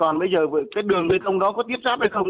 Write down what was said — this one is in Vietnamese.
còn bây giờ cái đường bê tông đó có tiếp ráp hay không